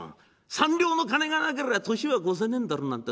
三両の金がなけりゃ年は越せねえんだろなんて